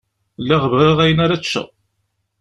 Lliɣ bɣiɣ ayen ara ččeɣ.